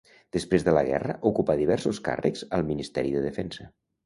Després de la guerra ocupà diversos càrrecs al Ministeri de Defensa.